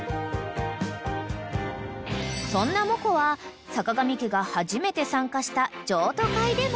［そんなモコはさかがみ家が初めて参加した譲渡会でも］